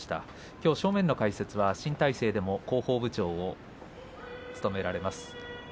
きょう正面の解説は新体制広報部長も務められます